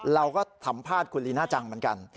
เราก็สัมภาษณ์คุณลีน่าจังเหมือนกัน